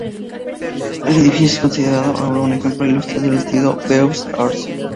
El edificio es considerado ahora un ejemplo ilustre del estilo "Beaux-Arts".